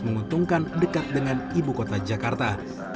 menguntungkan dekat dengan ibu kota jakarta